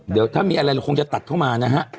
เดี๋ยวถ้ามีอะไรเราคงจะตัดเข้ามานะฮะ